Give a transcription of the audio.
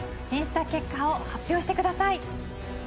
審査結果を発表してください。